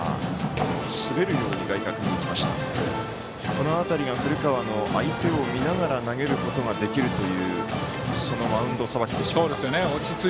この辺りが古川の相手を見ながら投げることができるというマウンドさばきでしょうか。